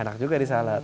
enak juga di salad